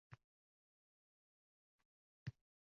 Bunisi domlalarning vijdoniga havola